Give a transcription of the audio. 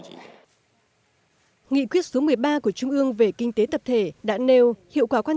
chỉ một tháng nữa bà có thể thu hoạch cho thị trường tết nguyên đán